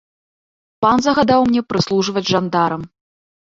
Пан загадаў мне прыслужваць жандарам.